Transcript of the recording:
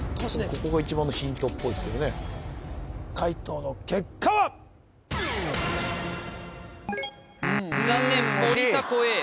ここが一番のヒントっぽいっすけどね解答の結果はうん惜しい残念森迫永依